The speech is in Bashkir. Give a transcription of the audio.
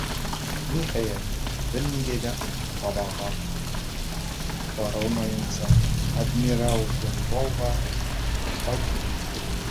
Ниһайәт, бер ниндәй ҡазаға тарымайынса, «Адмирал Бенбоу»ға ҡайтып еттек.